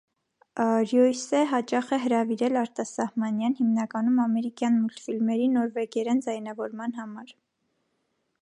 Ռյոյսե հաճախ է հրավիրել արտասահմանյան (հիմնականում ամերիկյան) մուլտֆիլմերի նորվեգերեն ձայնավորման համար։